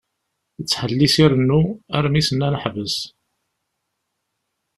Yettḥellis irennu, armi s-nnan ḥbes.